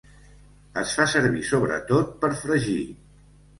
Es fa servir sobretot per fregir.